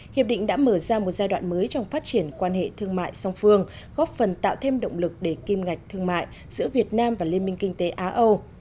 hiệp định đã mở ra một giai đoạn mới trong phát triển quan hệ thương mại song phương góp phần tạo thêm động lực để kim ngạch thương mại giữa việt nam và liên minh kinh tế á âu